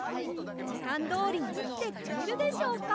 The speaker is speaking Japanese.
じかんどおりにきてくれるでしょうか。